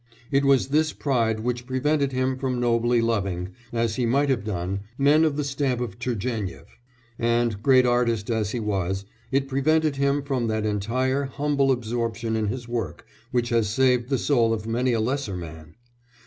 It was this pride which prevented him from nobly loving, as he might have done, men of the stamp of Turgénief, and, great artist as he was, it prevented him from that entire, humble absorption in his work which has saved the soul of many a lesser man.